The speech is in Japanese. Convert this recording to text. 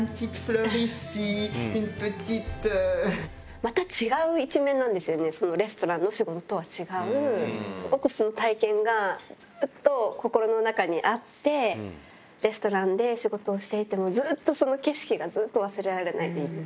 また違う一面なんですよね、そのレストランの仕事とは違う、すごくその体験がずっと心の中にあって、レストランで仕事をしていても、ずっとその景色が、ずっと忘れられないでいる。